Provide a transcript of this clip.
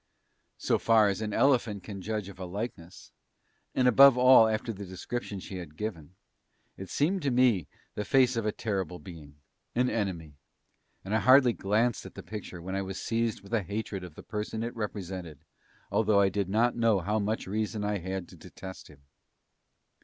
So far as an elephant can judge of a likeness, and above all after the description she had given, it seemed to me the face of a terrible being an enemy; and I hardly glanced at the picture when I was seized with a hatred of the person it represented, although I did not yet know how much reason I had to detest him.